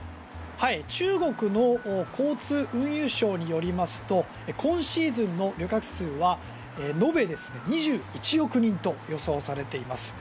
中国の交通運輸省によりますと今シーズンの旅客数は延べ２１億人と予想されています。